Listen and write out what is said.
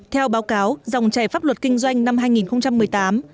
theo báo cáo dòng trẻ pháp luật kinh doanh năm hai nghìn một mươi tám